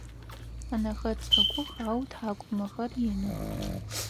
Ынэхэр цӏыкӏух ау ытхьакӏумэхэр иных.